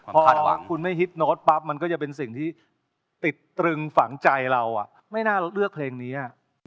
พอคุณไม่ฮิตโน้ตป๊อปมันก็จะเป็นสิ่งที่ติดตรึงฝังใจเราอ่ะไม่น่าเลือกเพลงนี้อ่ะ